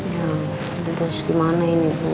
ya terus gimana ini bu